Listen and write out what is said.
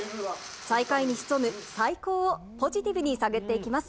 最下位に潜む最高をポジティブに探っていきます。